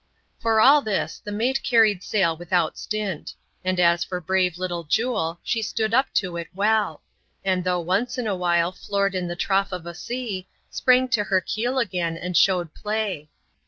For all this, the mate carried sail without stint ; and as for brave little Jule, she stood up to it well ; and though once in a while floored in the trough of a sea, sprang to her keel again and showed play.